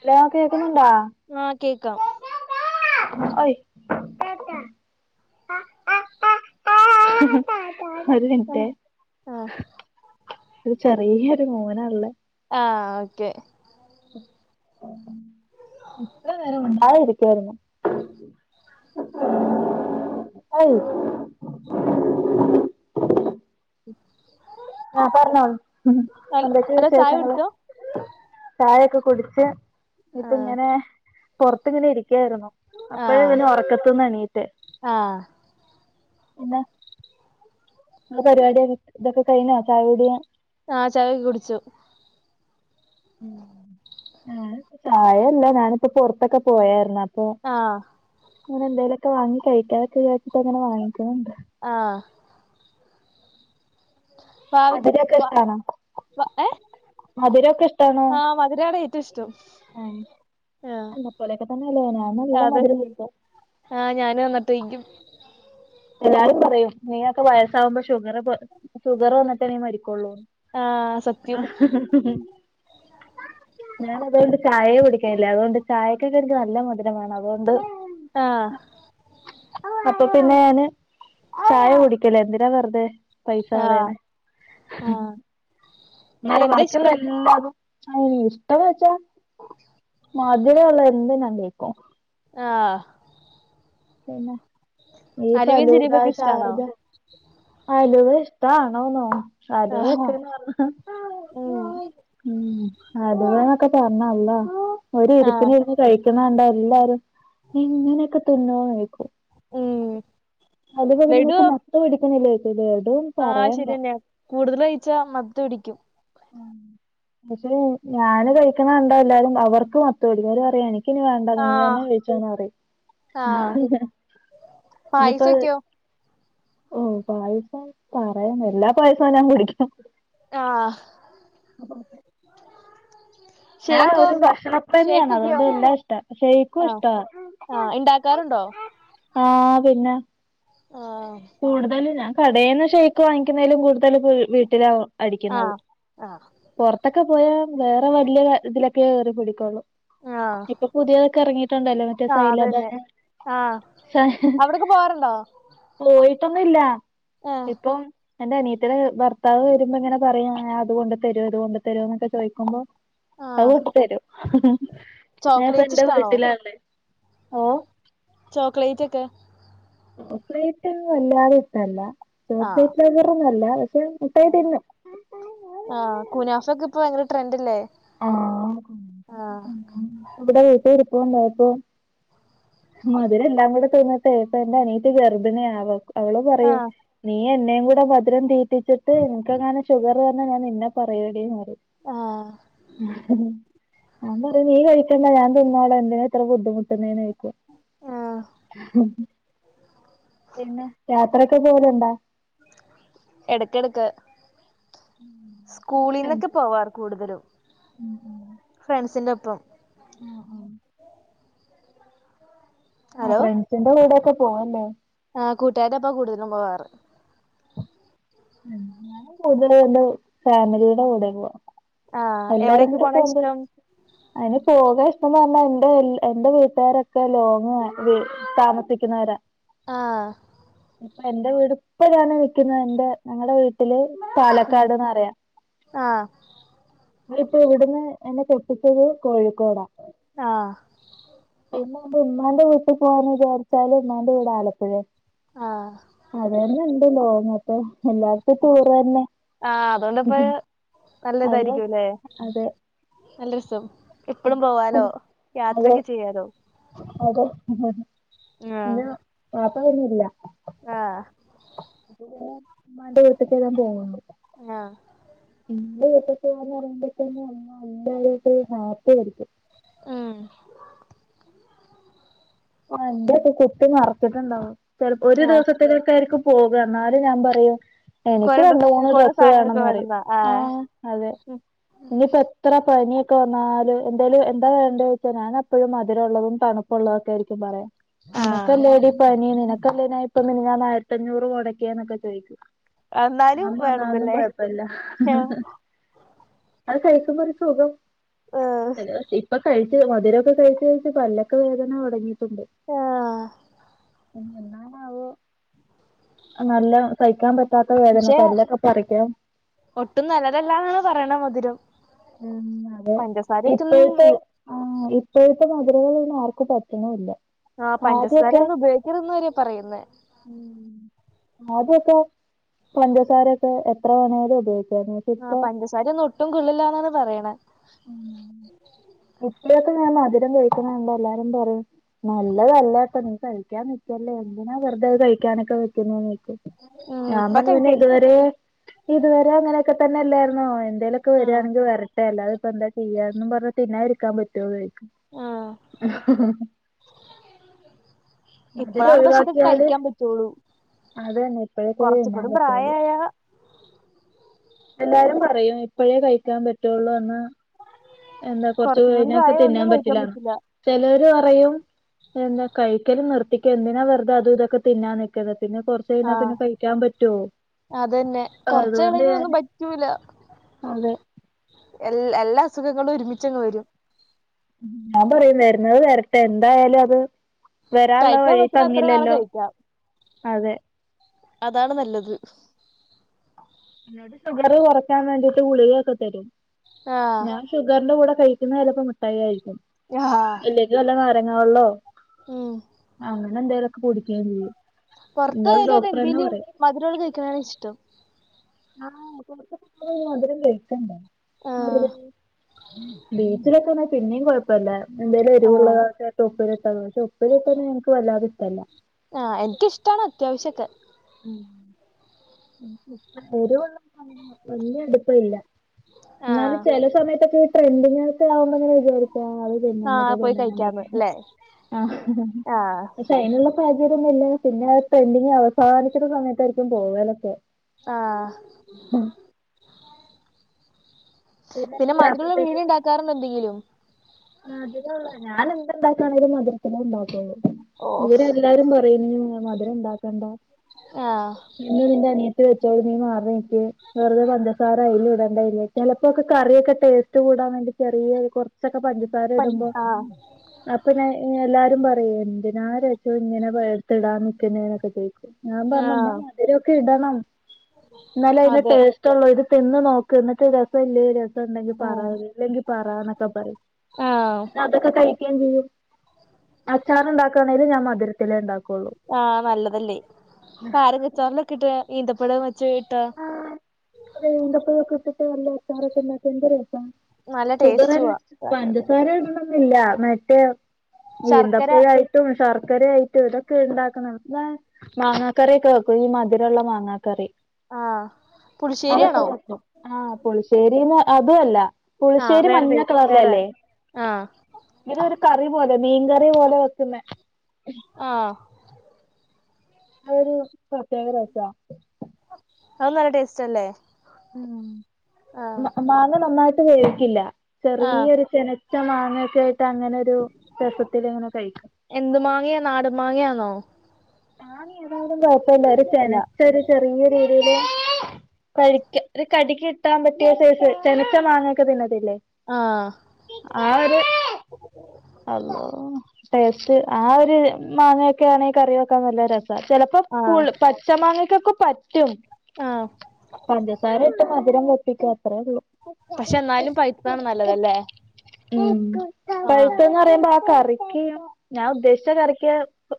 Hello കേക്കുന്നുണ്ടാ ആഹ് കേക്കാം ഹോയ് [inaudible] ഒരു മിനിട്ടേ ആഹ് ആഹ് ഒരു ചെറിയൊരു മോനാള്ളെ ആഹ് ഓക്കെ എത്ര നേരം മിണ്ടാതെ ഇരിക്കാരുന്നു ആഹ് പർഞ്ഞോളു. ഹൽ എന്തൊക്കെ ഹലോ ചായ വിശേഷങ്ങള് കുടിച്ചോ ചായൊക്കെ കുടിച്ച് ആഹ് ഇപ്പങ്ങനെ പൊറത്തിങ്ങനെ ഇരിക്കായിരുന്നു ആഹ് അപ്പഴവന് ഒറക്കത്ത്ന്നെണീറ്റെ ആഹ് പിന്നെ ങ്ങളെ പരിപാടി തൊക്കെ കഴിഞ്ഞോ ചായുടി ആഹ് ചായയൊക്കെ കുടിച്ചു ഉം. ഏഹ് ചായല്ല ഞാനിപ്പ പൊറത്തൊക്കെ പോയായിരുന്ന് ആഹ് അങ്ങനെന്തേലൊക്കെ വാങ്ങി കഴിക്കാന്നക്കെ വിജാര്ച്ചിട്ടാ അങ്ങനെ വാങ്ങിക്ക്ണ് ണ്ട് ആഹ് ഭാവി മധുരൊക്കെ വ ഇഷ്ടാണോ വ ഏഹ് മധുരൊക്കെ ഇഷ്ടാണോ ആഹ് മധുരാണേ റ്റുഷ്ടം ഏഹ് എന്നെ പോലെയൊക്കെ തന്നെല്ല ഞാനും നല്ല അതെ മധുരം കൂട്ടാ ആഹ് ഞാന് വന്നിട്ടയ്ക്യും എല്ലരും പറയും നീ ഒക്കെ വയസാവുമ്പോ ഷുഗറെപോ ഷുഗറ് വന്ന്ട്ടേ നീ മരിക്കൊള്ളൂ ആഹ് സത്യം ക്ക്ഹും ഞൻ അതോണ്ട് ചായെ കുടിക്കൽല്ല അതോകൊണ്ട് ചായക്കൊക്കെ ഇൻക് നല്ല മധുരം വാണം അതോണ്ട് ആഹ് അപ്പൊ പിന്നെയാന് ചായ കുടിക്കലേ എന്തിനാ വെറ്തെ പൈസ ആഹ് കളയണെ ആഹ് ന്നാലും എന്താ ഇഷ്ടം ബാക്കിള്ളതല്ലാം ആഹ് ഇഷ്ടാന്ന് വെച്ചാ മധുരള്ളല്ലാം ഞാകഴിക്കും ആഹ് പിന്നെ ഈ അലുവയും ഫലൂദ ജിലേബിയൊക്കെ ഇഷ്ടാണോ ശാർജ അലുവഷ്ടാണോന്നോ അലുവ ആഹ് ക്ക്ന്ന്പർണാ ഉം ഉം അലുവാന്നക്ക പർഞ്ഞ അള്ളാ ഒരി ആഹ് രിപ്പിനിര്ന്ന് കഴിക്യന്നണ്ടാല്ലാരും ഇങ്ങനെക്കെ തിന്നോ ന്നോയ്ക്കും ഉം അലുവ നിനക്ക് ലഡുവോ മൊത്തം ഇടിക്ക്ണില്ലേക്കും ലഡും പറയൺണ്ട കൂടുതലൊയിച്ചാ മത്ത് പിടിക്കും പക്ഷെ ൻഞാന് കഴിക്കണണ്ടാ എല്ലാരും അവർക്ക് മത്ത്പിടിക്കും ഓല് പറ്യാണ് ക്ക്ഞ് വേണ്ടാ ആഹ് നിയെന്നെ കഴിച്ചോന്നറി പായസൊ ക്യോ ഓ പായസം പറയണ്ടാ എല്ലാ പായസും ഞാൻ കുടിക്കും ആഹ് അപ്പങ്ങക്കെ ഞാ ഷേക്കോ ഒരു ഭക്ഷണപ്രേമിയാണ് ഷേക്കൊക്കെയോ അതോകൊണ്ട് എല്ലാഷ്ടാ ശയിക്കു ആഹ് ഷ്ട്ടാ ആഹ് ഇണ്ടാക്കാറുണ്ടോ ആഹ് പിന്നെ ആഹ് കൂടുതലും ഞാകടേന്ന് ശയ്ക്ക് വാങ്ങിക്കുന്നേലും കൂടുതൽ പീ വീട്ടിലാവും അടിക്യുന്നത് ആഹ് ആഹ് പൊർത്തൊക്കെ പോയാ വേറെ വലിയ തിലൊക്കെ കേറിപിടിക്കുള്ളൂ ആഹ് ഇപ്പൊ പുതിയതൊക്കെറങ്ങിട്ട്ണ്ടല്ലോ മറ്റേ ആഹ് അതന്നെ സൈലാബാന് ആഹ് അവ്ട്ക്ക് പോവാറ്ണ്ടോ പോയിട്ടൊന്നുല്ല ആഹ് ഇപ്പം എന്റെ അനിയത്തിടെ ഭർത്ത് ത്താവ് വരുമ്പോങ്ങനെ പറയാ അത്കൊണ്ട് തരോ ഇത്കൊണ്ട് തരോന്നൊക്കെ ചോയ്ക്കുമ്പോ ആഹ് അവോട്ട്ത്തരും ചോക്ലേറ്റ് ഞാപ്പന്റെ ഇഷ്ടാണോ വീട്ടിലാണ് ഓ ചോക്ലേറ്റൊക്കെ ചോക്ളൈറ്റ് വല്ലാതെഷ്ട്ടല്ലാ ആഹ് ചോക്ലേറ്റ് ന്നർനല്ലാ പഷെ ഫുഡൈറ്റിങ്ങ് ആഹ് കുനാഫക്കെപ്പൊ ഭയങ്കര ട്രെൻഡല്ലേ ആഹ് ആഹ് ഇവിടെ ഏട്ടിരിപ്പുണ്ടായപ്പോ മധുരല്ലാങ്കൂടെ തിന്ന്ട്ടൈ പ്പന്റെ അനിയത്തി ഗർഭിണിയാ അവക് അവളുംപറയും ആഹ് നീ എന്നേങ്കൂടെ മധ്രം തീറ്റിച്ചിട്ട് നിൻക്കങ്ങാനും ഷുഗർവന്നാ ഞാൻ നിന്നെ പറയൊടീന്നർ ആഹ് അന്നറിം നീ കഴിക്കണ്ട ഞാൻ തിന്നോള എന്തിനാത്ര ബുദ്ധിമുട്ട്ന്നേ ന്നോയ്ക്കും ആഹ് പിന്നെ യാത്രയൊക്കെ പോവല്ണ്ടാ എടക്കെടക്ക് ഉണ്ട്. സ്കൂളിൽന്നൊക്കെ പോവാർ കൂടുതലും ഉം ഉം ഫ്രണ്ട്സിൻ്റെഒപ്പം ആഹ് ആഹ് ആഹ് ഹലോ ഫ്രണ്ട്സിന്റെ കൂടൊക്കെ പോവല്ലേ ആഹ് കൂട്ടാര്ടെപ്പാ കൂടുതലും പോവാറ് ഉം ഞങ്ങള് കൂടുതലുവ്ടെ ഫാമിലിയുടെ കൂടെ പോവാ ആഹ് എല്ലാരും എവിടെയൊക്കെ കൂടെ പോണാ പോകുമ്പം ഇഷ്ടം അതിന് പോകാഇഷ്ടം വേണ്ടാ എന്റെ എന്റെ വീട്ടുകാരൊക്കെ ലോങ് [unintelligible] താമസിക്കുന്നവരാ ആഹ് അപ്പൊ എന്റെ വീട് പ്പൊ ഞാന് നിക്കുന്നഹ് എൻ്റെ ഞങ്ങളടെ വീ വീട്ടില് ഉം പാലക്കാട്ന്നറയാ ആഹ് ങ്ങളിപ്പൊ ഇവിടുന്ന് എന്നെ കെട്ടിച്ചത് കോഴിക്കോടാ ആഹ് പിന്നെൻ്റെ ഇമ്മാന്റെ വീട്ടി പോകാന്ന് വിചാരിച്ചാല് ഇമ്മാന്റെ വീട് ആലപ്പുഴെ ആഹ് അതന്നെഇണ്ട് ലോങ്ങ് അപ്പൊ എല്ലാർ ആഹ് അതോണ്ട്പ്പൊ അതെ നല്ലതായിരിക്കുംല്ലേ അതെ നല്ല രസം എപ്പഴും പോവാലോ അതെ യാത്രക്കെ ചെയ്യാലോ അതെ ആഹ് ഇഞ് വാപ്പ വര്ന്നില്ല ആഹ് ഇമ്മാൻ്റെ വീട്ട്ക്ക് എല്ലാരും പോവ്ണ്ട് ആഹ് ഇന്റെ വീട്ടിക്ക്ന്ന് എന്ന് പറയുമ്പോ തന്നെ [unintelligible] ഹാപ്പിയിരിക്കും ആഹ് ആഹ് ഇന്റൊക്കെ കുത്തി നെറച്ചിട്ടുണ്ടാവും ചെലപ്പോ ഒരു ദിവസത്തിനൊക്കെ ആയിരിക്കും പോക എന്നാലും ഞാൻ പറയും എനിക്ക് കൊറെ രണ്ട് ഡ്രസ് മൂന്ന് കൊറെ ഡ്രസ്സ് സാധനങ്ങളൊക്കെ വേണംന്ന് പറയും വേണന്നാ ആഹ് അതെ ഇനിയിപ്പോ എ ത്ര പനിയൊക്കെ വന്നാലു എന്തേലും എന്താ വേണ്ടോയ്ച ഞാൻ അപ്പഴും മധുരമുള്ളതും തണുപ്പുള്ളതുംക്കെയിരി ക്ക്യും പറയാ നിനക്കല്ലേടി പനി നിനക്കല്ലേ ഞ ഇപ്പം മിനിഞ്ഞാന്ന് ആയിരത്തഞ്ഞൂറ് മൊടക്കിയേന്നൊക്കെ ചോയ്ക്കും എന്നാലും ഞാനും പറഞ്ഞ് അതൊന്നും വേണന്നല്ലേ കൊഴപ്പല്ല ആഹ് അത് കഴിക്കുമ്പോ ഒര് സുഖം ഏഹ് [unintelligible] ഇപ്പൊ കഴിച്ച് മധുരൊക്കെ കഴിച്ച് കഴിച്ച് പല്ലൊക്കെ വേദന തൊടങ്ങി ട്ട്ണ്ട് ആഹ് പ്പഞ്ഞെന്നാണാവോ നല്ലം സയിക്കാൻ പ റ്റാത്ത വേദന പക്ഷെ പല്ലൊക്കെ പറിക്കണം ഒട്ടും നല്ലതല്ലാന്നാണ് പറയണ് മധുരം ഉം അതെ പഞ്ചസാരയൊക്കെ ഇപ്പഴത്തെ ഒന്നും ആഹ് ഇപ്പോഴത്തെ മധുരങ്ങളൊന്നും ആർക്കും പറ്റുണുംഇല്ല ആഹ് പഞ്ചസാര ഒന്നും ഉപയോഗിക്കരുതന്ന് വരെ പറയുന്നേ ഉം ആദ്യക്കെ പഞ്ചസാരൊക്കെ എത്ര വേണേലും ഉപയോഗിക്കാന്നു ആഹ് പഞ്ചസാര ഒന്നും ഒട്ടും കൊള്ളില്ലാന്നാണ് പറയ്ണ് ഉം ഇപ്പഴൊക്കെ ഞാൻ മധുരം കഴിക്കണ് കണ്ടാല് എല്ലാരും പറയും നല്ലതല്ല ട്ടോ നീ കഴിക്കാൻ നിക്കല്ലേ എന്തിനാ വെറുതെ കഴിക്കാനൊക്കെ നിക്കുന്നെ ചൊയ്ക്കും ഉം ഞാൻ ഇപ്പൊ പറഞ്ഞു കഴിക്ക പിന്നെഇതുവരേ ഇതുവരെ അങ്ങനെയൊക്കെ തന്നെ അല്ലായിരുന്നോ എന്തേലൊക്കെ ആഹ് വരാണെങ്കി വരട്ടെ അല്ലാത് ഇപ്പ എന്താ ചെയ്യാന്ന് പറഞ് തിന്നാതെ ഇരിക്കാൻ പറ്റോന്ന് ചൊയ്ക്കും [inaudible] ആഹ് മതിരം ഇപ്പഴാണ് പക്ഷെ ഇതൊക്കെ ഒഴിവാക്കിയാല് കഴിക്കാൻ പറ്റുള്ളൂ അതന്നെ ഇപ്പഴേക്ക കുറച്ചും തിന്നാൻ കൂടി പറ്റുള്ളൂ പ്രായമായ എല്ലാരും പറയും ഇപ്പഴേ കഴിക്കാൻ പറ്റുള്ളൂ എന്ന് എന്താ കൊറച്ച് കുറച്ചും കൂടി കഴിഞ്ഞ പ്രായ തിന്നാൻ ഒന്നും കഴിക്കാൻ പറ്റില്ലാന്ന് പറ്റില്ല ചെലോല് പറയും എന്താ കഴിക്കല് നിർത്തിക്ക എന്തിനാ വെറുത അതും ഇതൊക്കെതിന്നാൻ നിക്ക്ണെപിന്നെ കൊറച്ച് കൊറച്ച് ആഹ് കഴിഞ്ഞപിന്നെ കഴിക്കാൻ പറ്റോ അതന്നെ കൊറച്ച് അതുകൊണ്ട് കഴിഞ്ഞ ഒന്നും ഞാന് പറ്റൂല അതെ. എൽ എല്ലാ അസുഖങ്ങളും ഒരുമിച്ചങ്ങ് വരും. ഞാൻ പറയും വരുന്നത് വരട്ടെ എന്തായാലും അത് വരാന്ള്ള കഴിക്കാൻ വഴി പറ്റുന്ന അത്ര നാള് തങ്ങില്ലല്ലോ കഴിക്കാം അതെ അതാണ് നല്ലത്. ഇന്നോട് ഷുഗറ് കുറയ്ക്കാൻ വേണ്ടിട്ടൊകെ ഗുളികൊക്കെ തെരും ആഹ് ഞാൻ ഷുഗറിന്റെ കൂടെ കഴിക്കുന്ന ചിലപ്പൊ മിഠായി ആയിരിക്കും ആഹ് അല്ലെങ്കി വല്ല നാരങ്ങാ വെള്ളോ ഉം ആങ്ങനെ എന്തേലു ഒക്കെ കുടിക്കേ ചെയ്യും പൊറത്ത് എന്നോട് പൊയാലും അത് ഡോക്ടർ തന്നെ എന്തേലും പറയും മധുരോള്ളത് കഴിക്കണഥാണ് ഇഷ്ടം ആഹ് കൊറച്ച് മധുരം കഴക്ക്ണ്ട് ആഹ് മറുതയീ ബീച്ചിലെക്കൊന്ന് പിന്നെയും കൊഴ ഇപ്പല്ല എന്തേലും ആഹ് എരിവുള്ളതൊക്കെ ഉപ്പിലിട്ടത് പക്ഷെ ഉപ്പിലിട്ടത് ഇൻക്ക് വല്ലാതെ ഇഷ്ട്ടല്ല. ആഹ് എനിക്കിഷ്ടാണ് അത്യാവശ്യോക്കെ ഉം എരുവുള്ള വല്യ അടുപ്പില്ല എന്നാലും ആഹ് ചെല സമയത്തൊക്കെ ഈ ട്രെൻഡിംഗ് ഓക്കേ ആവുമ്പോങ്ങനെ ആഹ് പോയി കഴിക്കാന്ന് ല്ലേ ആഹ് [inaudible] അയ്നുള്ള സാഹചര്യംന്നുമില്ല പിന്നെ ഡ്രെഡിങ് അവസാനിക്കുന്ന സമയത്തായിരിക്കും പോവലൊക്കെ. ആഹ് പിന്നെ മധുരുള്ള വീട് ഉണ്ടാക്കാറുണ്ട് എന്തെങ്കിലും മധുരോള്ള ഞാൻ എന്ത് ഇണ്ടാക്കയാണെങ്കിലും മധുരത്തിലേ ഇണ്ടാക്കൊള്ളൂ. ഓഹ് ഇവരെല്ലാരും പറയുന്നെ മധുരം ഉണ്ടാക്കണ്ട ആഹ് ഇന്ന് നിന്റെ അനിയത്ത് വെച്ചോട് നീ മാറി നിക്ക് വെറുതെ പഞ്ചസാര അയ്ല് ഇടെണ്ടാ അയ്ല്. ചെലപ്പൊക്കെ കറിയൊക്കെ ടേസ്റ്റ് കൂടാൻ വേണ്ടി ചെറിയെ കൊർച്ചൊക്കെ പഞ്ചസാര പണ്ട് ഇടുമ്പൊ ആഹ് അപ്പൊ ഞ എല്ലാരും പറയും എന്തിനാരെച് ഇങ്ങനെ പടുത്തിടാൻ നിക്കുന്നൊക്കെ ചോദിച്ചു ഞാൻ പറഞ്ഞുമ്മ ആഹ് മധുരൊക്കെ ഇടണം എന്നാലെ അതിന്റെ അതെ ടേസ് ഇഷ്ട്ടള്ളോ ഇത് തിന്ന് നോക്ക് ഇന്നെട്ട് രെസല്ലെ രെസംഇണ്ടെങ്കി പറ ആഹ് ഇല്ലെങ്കിൽ പറ എന്നൊക്കെ പറയും. ആഹ് പിന്നെ അതൊക്കെ കഴിക്കെ ചെയ്യും അച്ചാറ് ഇണ്ടാക്കാണെലും ഞാൻ മധുരത്തിലെ ഇണ്ടാക്കു ആഹ് നല്ലതല്ലേ കാരക്കച്ചാറിലൊക്കെ ഇട്ട് ഈന്തപ്പഴ വെച്ച് ഇട്ടാ ആഹ് ഇത് ഇന്ന് ഇന്റെ ഇപ്പക്കെ ഇട്ടിട്ട് നല്ല അച്ചാറൊക്കെ ഇണ്ടാക്കിയാൽ എന്ത് രെസ. നല്ല ഷുഗറന്നെ ടേസ്റ്റുവാ പഞ്ചസാരയിടണം ഇല്ല മറ്റേ ശർക്കര ഈന്തപ്പയായി ശർക്കരെ ആയിട്ടും ഇതൊക്കെ ഇണ്ടാക്കണം ന്നാ മാങ്ങാക്കറിയൊക്കെ വെക്കും ഈ മധുരുള്ള മാങ്ങാക്കറി ആഹ് അതൊക്കെ പുളിശ്ശേരിയാണോ വെക്കും. ആഹ്, പുളിശ്ശേരിന്ന് അതു അല്ല. ആഹ് പുളിശ്ശേരി വേറെ ടൈ വേറെ മഞ്ഞക്കളറിലല്ലെ ആഹ് ഇതൊരു കറി പോലെ മീൻകറി പോലെ വെക്കുന്നെ ആഹ് അതൊരു പ്രത്യേക ടെസ്റ്റാ. അത് നല്ല ടേസ്റ്റ് അല്ലേ ആഹ് മ് മാങ്ങ നന്നായിട്ട് വേവിക്കില്ല ആഹ് ചെറിയൊരു ചെന ഇച്ച മാങ്ങയൊക്കായിട്ടങ്ങനൊരു രസത്തിലിങ്ങനെ കഴിക്കും എന്ത് മാങ്ങയ. നാടൻ മാങ്ങയാന്നോ? സാനം ഏതായിലും കൊഴപ്പില്ല ഒരു അല്ല തെനച്ച ഒരു ചെറിയ രീതിയില് കഴിക്ക ഒരു കടിക്ക് കിട്ടാൻ പറ്റിയ സെയ്സ് ചെനച്ച മാങ്ങൊക്കെ തിന്നത്തില്ലെ ആഹ് ആഹ് ഒരു അള്ളൊ ടേസ്റ്റ് ആ ഒരു മാങ്ങൊക്കെ ആണെ കറി വെ നല്ലെ രെസ ചെലാപ്പൊ ആഹ് പുയ് പച്ച മാങ്ങക്കൊക്കെ പച് ആഹ് പഞ്ചസാരയിട്ട് മധുരം വെപ്പിക്കും അത്രയൊള്ളു. പക്ഷെ ന്നാലും പഴുത്തതാണ് നല്ലത ല്ലേ? ഉം പൈസന്ന് പറയുമ്പോ ആ കറിക്ക് ഞാൻ ഉദ്ദേശിച്ച കറിക്ക്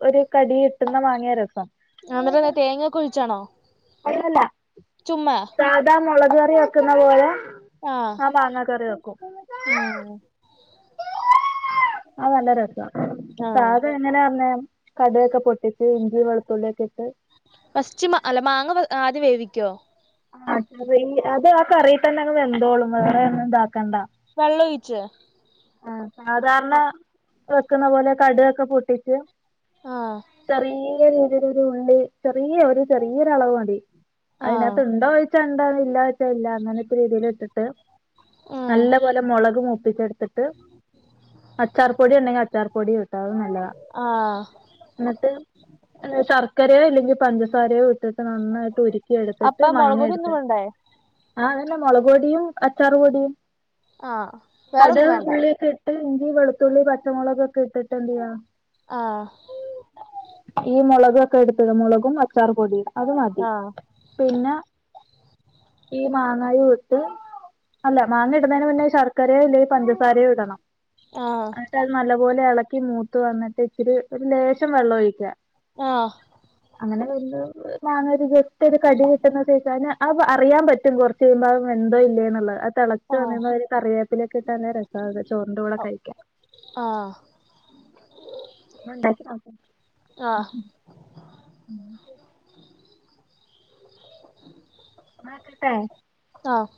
ഒരു കടി ഇട്ടുന്ന വാങ്ങിയ രസം അന്നര നല്ല തേങ്ങക്ക ഒഴിച്ചാണോ? അല്ലല്ല- ചുമ്മാ. സാധാ മൊളക് കറി വെക്കുന്ന പോലെ ആഹ് ആ മാങ്ങ കറി വെക്കും. ആഹ് ആ നല്ല രസ- ആഹ് സാധ എങ്ങനെ പറഞ്ഞ കടുവൊക്കെ പൊട്ടിച്ച് ഇഞ്ചി വെളുത്തുള്ളി ഒക്കെ ഇട്ട് ഫസ്റ്റിമ അല്ല മാങ്ങ ആദ്യം വേവിക്കോ ആഹ് കറി അത് ആ കറിയിൽ തന്നെ അങ്ങ് വെന്തോളും വേറോന്നും ഇതാക്കണ്ടാ വെള്ളൊഴിച്ച്. ആഹ് സാധാരണ വെക്കുന്ന പോലെ കടൊക്കെ പൊട്ടിച്ച്- ആഹ് ചെറിയ രീതിലൊരു ഉള്ളി ചെറിയ ഒരു ചെറിയൊ ഒരു അളവ് മതി. ആഹ് അതിനാത്ത് ഉണ്ടൊയി ണ്ടല്ല വച്ച ഇല്ല വച്ച ഇല്ല അങ്ങനത്തെ രീതിൽ ഇട്ടട്ട് ആഹ് നല്ല പോലെ മൊളക് മൂപ്പി ട്ട്അച്ചാർ പൊടി ഉണ്ടെങ്കിൽ അച്ചാർ പൊടി ഇട്ടോതും നല്ലതാ. ആഹ് എന്നിട്ട് ശർക്കരയോ ഇല്ലെങ്കിൽ പഞ്ചസാരയോ ഇട്ടിട്ട് നന്നായിട്ട് ഉരു കുക്കി എടുത്തിട്ട് അപ്പൊ മുളക് മാങ്ങ പൊടി ഒന്നും എടുത്ത് വേണ്ടേ ആ അതന്നെ മുളക് പൊടിയും അച്ചാറപൊടിയും. ആഹ് വേറൊന്നും വേണ്ട. ഇട്ടി വെളുത്തുള്ളി പച്ചമുളകക്കൊക്കെ ഇട്ടിട്ട്ന്ത്യാണം. ആഹ്. ഈ മൊളകൊക്കെ എടുത്തിത് മുളകും അച്ചാർ പൊടിയും അത് മതി ആഹ് പിന്നെ ഈ മാങ്ങായു വിട്ട് അല്ല മാങ്ങ ഇടുന്നതിന് മുന്നേ ശർക്കരയോ ഇല്ലെ പഞ്ചസാരയോ ഇടണം. ആഹ്. എന്നിട്ട് അത് നല്ല പോലെ എളക്കി മൂത്ത് വന്നിട്ട് ഇച്ചിരി ഒരു ലേശം വെള്ളം ഒഴിക്കുക- ആഹ്. അങ്ങനെ വരുമ്പൊ ജസ്റ്റ് ഒരു കടി കിട്ടുന്നച്ചാല് അയിന് അപ്പ അറിയാൻ പറ്റും കുറച്ച് കഴുമ്പോ അത് വെന്തോ ഇല്ലേ എന്നുള്ളത് ആ തിളച്ചു വന്നി ആഹ് അവര് കറിവേപ്പിലൊക്കെ ഇട്ട്ല്ലര അതെ ചോറണ്ടൂള ആഹ് കഴിക്കാം. ആഹ്. ന്ന്ണ്ടാക്ക്യോക്ക്. ന്നക്കട്ടേ ആഹ്.